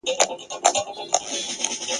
او کرغېړنو کلماتو وینا کوله !.